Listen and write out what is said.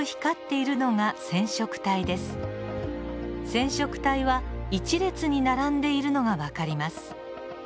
染色体は一列に並んでいるのが分かります。